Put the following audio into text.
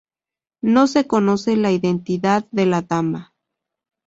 No se conoce la identidad de la dama.